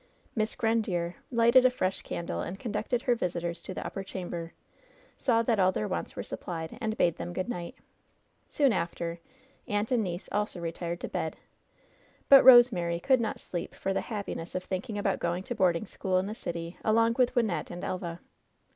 Miss Grandiere lighted a fresh candle, and conducted her visitors to the upper chamber, saw that all their wants were supplied, and bade them good night. Soon after, aunt and niece also retired to bed; but Rosemary could not sleep for the happiness of thinking about going to boarding school in tiie city along with Wynnette and Elva.